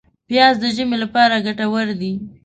پیاز د ژمي لپاره ګټور دی